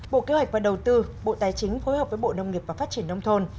bộ kế hoạch và đầu tư bộ tài chính phối hợp với bộ nông nghiệp và phát triển nông thôn